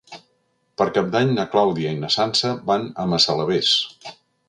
Per Cap d'Any na Clàudia i na Sança van a Massalavés.